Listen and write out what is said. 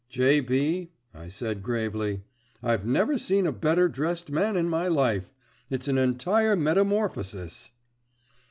"J.B.," I said gravely, "I've never seen a better dressed man in my life. It's an entire metamorphosis."